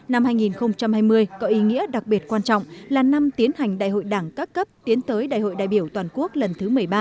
năm hai nghìn hai mươi có ý nghĩa đặc biệt quan trọng là năm tiến hành đại hội đảng các cấp tiến tới đại hội đại biểu toàn quốc lần thứ một mươi ba